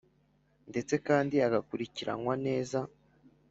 ndetse kandi agakurikiranywa neza,